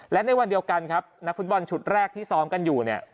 และในวันเดียวกันครับนักฟุตบอลชุดแรกที่ซ้อมกันอยู่เนี่ย